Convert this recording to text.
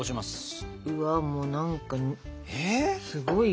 うわもう何かすごいよ。